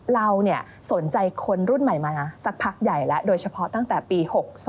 เราสนใจคนรุ่นใหม่มาสักพักใหญ่แล้วโดยเฉพาะตั้งแต่ปี๖๒